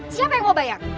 siapa yang mau bayar